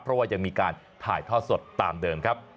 เพราะว่ายังมีการถ่ายทอดสดตามเดิมครับ